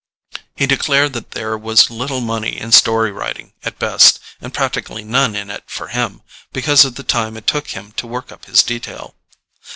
He declared that there was little money in story writing at best, and practically none in it for him, because of the time it took him to work up his detail.